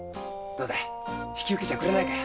どうだい引き受けちゃくれねえかい。